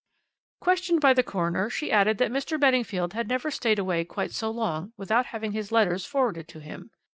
"Questioned by the coroner, she added that Mr. Beddingfield had never stayed away quite so long without having his letters forwarded to him.